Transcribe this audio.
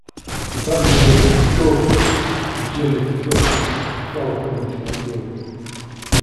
The band name "Krokus" is German for crocus, a flower common throughout Europe.